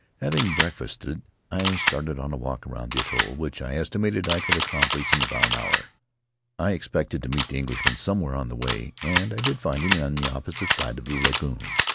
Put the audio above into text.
Having breakfasted, I started on a walk around the atoll, which I estimated I could accomplish in about an hour. I expected to meet the Englishman somewhere on the way, and I did find him on the opposite side of the lagoon.